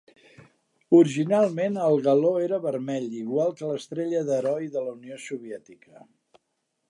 Originalment, el galó era vermell, igual que l'Estrella d'Heroi de la Unió Soviètica.